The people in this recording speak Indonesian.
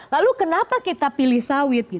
lalu kenapa kita pilih sawit